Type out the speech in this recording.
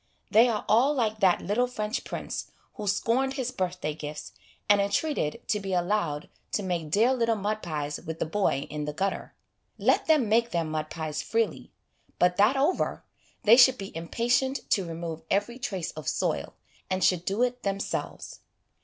They are all like that little French prince who scorned his birthday gifts, and entreated to be allowed to make dear little mud pies with the boy in the gutter. Let them make their mud pies freely ; but that over, they should be impatient to remove every trace of soil, and should do it themselves.